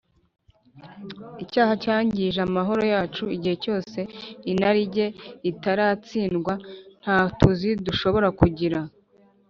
icyaha cyangije amahoro yacu igihe cyose inarijye itaratsindwa, nta tuze dushobora kugira